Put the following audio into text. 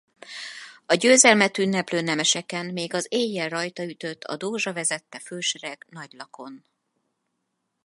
A győzelmet ünneplő nemeseken még az éjjel rajtaütött a Dózsa vezette fősereg Nagylakon.